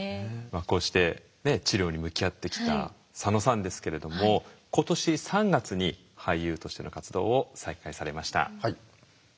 こうして治療に向き合ってきた佐野さんですけれども今年３月に俳優としての活動を再開されました。